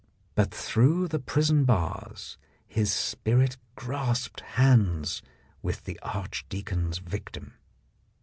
But through the prison bars his spirit grasped hands with the archdeacon's victim.